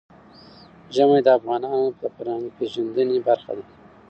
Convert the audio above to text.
ژمی د افغانانو د فرهنګي پیژندنې برخه ده.